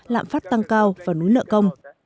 lạm phát tăng cao và núi nợ công